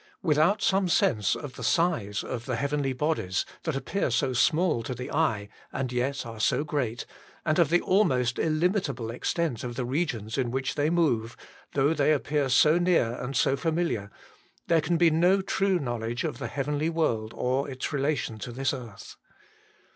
Without some sense of the size of the heavenly bodies, that appear so small to the eye, and yet are so great, and of the almost illimitable extent of the regions in which they move, though they appear so near and so familiar, there can be no true knowledge of the heavenly world or its rela tion to this earth.